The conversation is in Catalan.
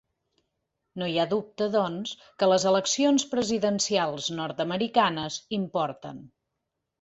No hi ha dubte, doncs, que les eleccions presidencials nord-americanes importen.